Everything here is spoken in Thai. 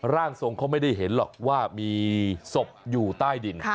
ร่างทรงเขาไม่ได้เห็นหรอกว่ามีศพอยู่ใต้ดิน